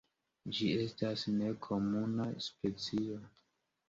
Ĝi estas nekomuna specio.